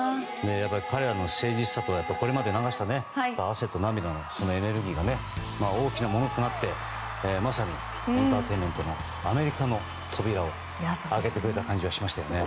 彼らの誠実さとこれまで流してきた汗と涙のエネルギーが大きなものとなってまさにエンターテインメントがアメリカの扉を開けてくれた感じはしましたね。